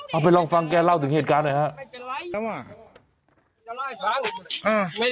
เอาไปลองฟังแกเล่าถึงเหตุการณ์หน่อยฮะ